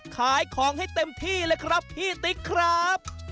ขายของให้เต็มที่เลยครับพี่ติ๊กครับ